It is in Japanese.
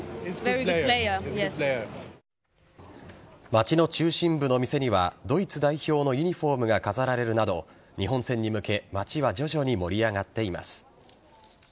街の中心部の店にはドイツ代表のユニホームが飾られるなど日本戦に向け街は徐々に盛り上がっています。